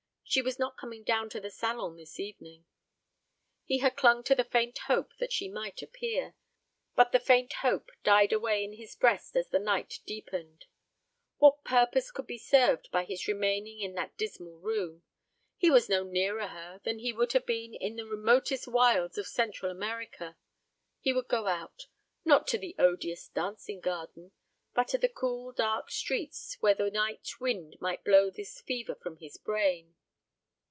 She was not coming down to the salon this evening. He had clung to the faint hope that she might appear; but the faint hope died away in his breast as the night deepened. What purpose could be served by his remaining in that dismal room? He was no nearer her than he would have been in the remotest wilds of Central America. He would go out not to the odious dancing garden, but to the cool dark streets, where the night wind might blow this fever from his brain.